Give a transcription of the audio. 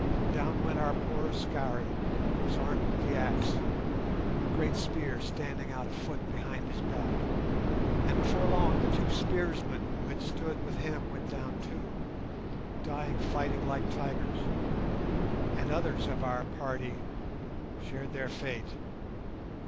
Down went our poor Askari who was armed with the axe, a great spear standing out a foot behind his back; and before long the two spearsmen who had stood with him went down too, dying fighting like tigers; and others of our party shared their fate.